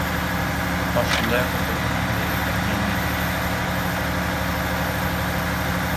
Μα σου λέγω πως δεν είμαι ευγενής